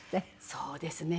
そうですね。